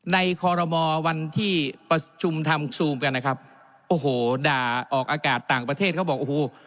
คอรมอวันที่ประชุมทำซูมกันนะครับโอ้โหด่าออกอากาศต่างประเทศเขาบอกโอ้โห